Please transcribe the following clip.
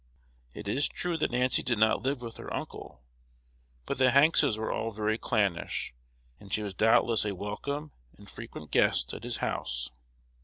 It is true that Nancy did not live with her uncle; but the Hankses were all very clannish, and she was doubtless a welcome and frequent guest at his house.